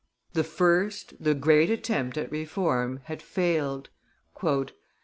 The first, the great attempt at reform had failed. "M.